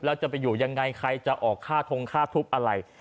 แล้วจะไปอยู่ยังไงใครจะออกค่าทงค่าทุบอะไร